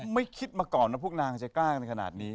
ไม่คิดมาก่อนว่าพวกนางจะแกล้งขนาดนี้